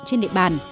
trên địa bàn